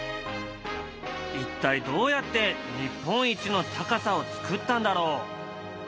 一体どうやって日本一の高さを造ったんだろう？